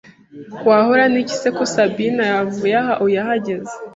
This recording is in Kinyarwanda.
Wahora niki se ko Sabine yavuye aha uyu ahageze